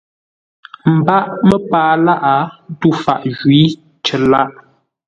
Ə́ mbáʼ məpaa lâʼ tû faʼ jwǐ cər lâʼ.